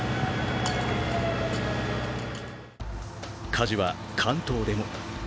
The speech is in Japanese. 火事は関東でも。